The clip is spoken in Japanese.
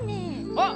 あっ！